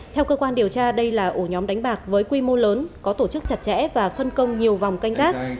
theo cơ quan điều tra đây là ổ nhóm đánh bạc với quy mô lớn có tổ chức chặt chẽ và phân công nhiều vòng canh gác